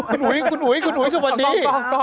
คุณอุ๋ยคุณอุ๋ยคุณอุ๋ยสวัสดี